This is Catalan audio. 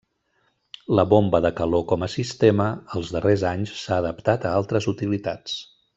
La bomba de calor com a sistema, els darrers anys s'ha adaptat a altres utilitats.